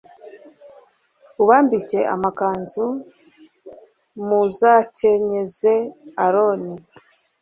ubambike amakanzu m uzakenyeze aroni